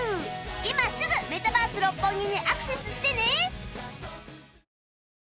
今すぐメタバース六本木にアクセスしてね